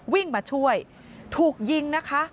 วิ่งมาช่วยถูกยิงนะคะ